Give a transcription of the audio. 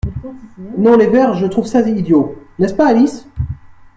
Non les vers, je trouve ça idiot, n’est-ce pas, Alice ?